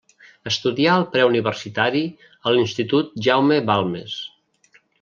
Estudià el preuniversitari a l'Institut Jaume Balmes.